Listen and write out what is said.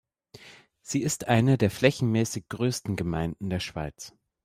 Sie ist eine der flächenmässig grössten Gemeinden der Schweiz.